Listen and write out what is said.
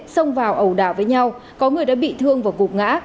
xông vào ẩu đả với nhau có người đã bị thương và gục ngã